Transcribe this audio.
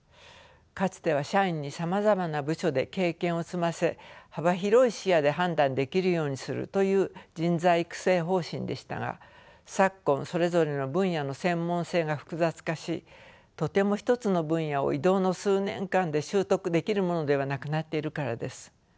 かつては社員にさまざまな部署で経験を積ませ幅広い視野で判断できるようにするという人材育成方針でしたが昨今それぞれの分野の専門性が複雑化しとても一つの分野を異動の数年間で習得できるものではなくなっているからです。